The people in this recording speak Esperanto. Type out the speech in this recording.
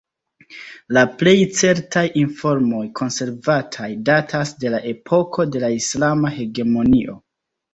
La plej certaj informoj konservataj datas de la epoko de la islama hegemonio.